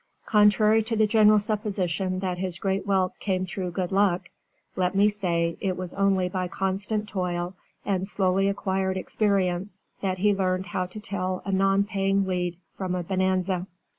Contrary to the general supposition that his great wealth came through 'good luck,' let me say, it was only by constant toil and slowly acquired experience that he learned how to tell a non paying lead from a bonanza.